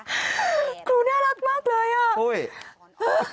คุณครูน่ารักมากเลยอ่ะโอ๊ย